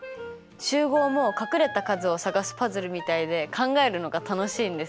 集合も隠れた数を探すパズルみたいで考えるのが楽しいんです。